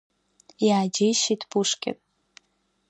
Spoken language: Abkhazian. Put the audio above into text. Иааџьеишьеит Пушкин.